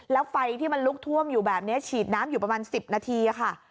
แล้วไฟที่มันลุกท่วมอยู่แบบนี้ฉีดน้ำอยู่ประมาณ๑๐นาทีค่ะ